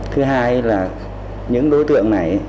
thứ hai là những đối tượng này